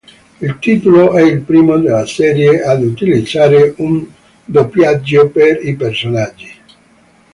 Il titolo è il primo della serie ad utilizzare un doppiaggio per i personaggi.